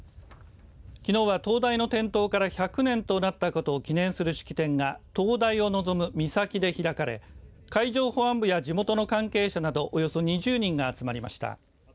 きのうは灯台の点灯から１００年となったことを記念する式典が灯台を望む岬で開かれ海上保安部や地元の関係者などおよそ２０人が集まりました。